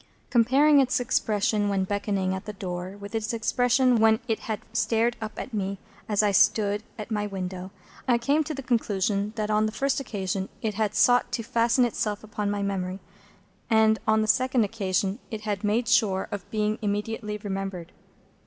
Comparing its expression when beckoning at the door with its expression when it had stared up at me as I stood at my window, I came to the conclusion that on the first occasion it had sought to fasten itself upon my memory, and that on the second occasion it had made sure of being immediately remembered.